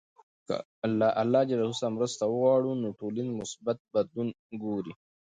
که له الله ج سره مرسته وغواړو، نو ټولنیز مثبت بدلون ګورﻱ.